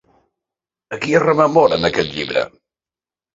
A qui es rememora en aquest llibre?